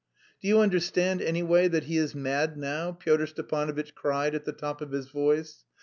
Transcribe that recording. "Do you understand, anyway, that he is mad now!" Pyotr Stepanovitch cried at the top of his voice.